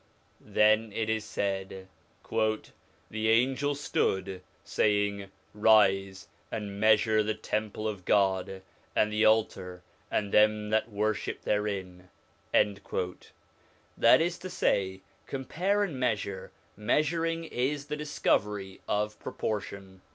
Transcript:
Then it is said, ' The angel stood, saying, Rise, and measure the temple of God, and the altar, and them that worship therein '; that is to say, compare and measure : measuring is the discovery of proportion.